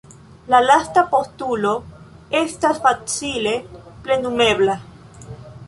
La lasta postulo estas facile plenumebla.